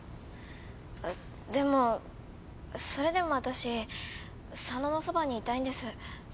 あっでもそれでも私佐野のそばにいたいんです。